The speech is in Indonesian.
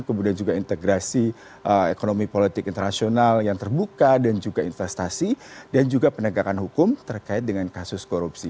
kemudian juga integrasi ekonomi politik internasional yang terbuka dan juga investasi dan juga penegakan hukum terkait dengan kasus korupsi